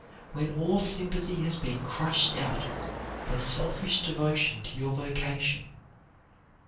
When all sympathy has been crushed out by selfish devotion to your vocation.